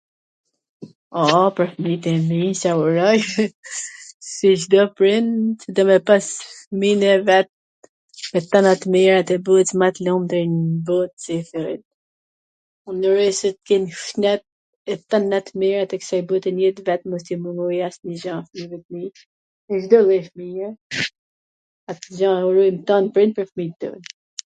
Ooo, pwr fmijt e mi Ca uroj? Si Cdo prind do me pas fmijn e vet me tana t mirat e ma t lumturin n bot, si thojn, un uroj si t jen shnet e tana t mirat e ksaj bote n jet vet, mos t i mungoj asnjw gja nw jet, asnjw gja, uroj tan prindve pwr fmijt tyre.